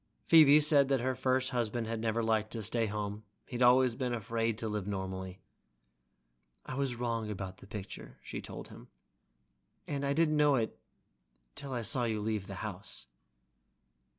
Phoebe said that her first husband had never liked to stay home, he'd always been afraid to live normally. "I was wrong about the picture," she told him, "and I didn't know till I saw you leave the house."